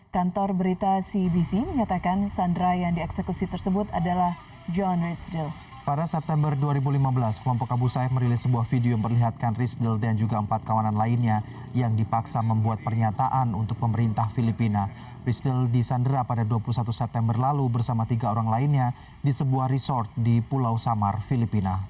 kantor berita cbc mengatakan sandera yang dieksekusi tersebut adalah john ritzel